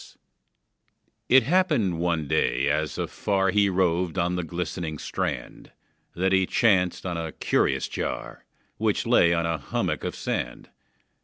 It happened one day, as afar He roved on the glistening strand, That he chanced on a curious jar, Which lay on a hummock of sand.